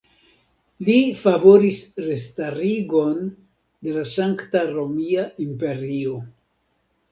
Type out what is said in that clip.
Li favoris restarigon de la Sankta Romia Imperio.